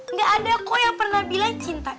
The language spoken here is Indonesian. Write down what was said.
nggak ada kok yang pernah bilang cinta